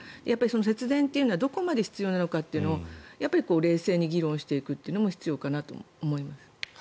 節電というのはどこまで必要なのかというのを冷静に議論していくのも必要かなと思います。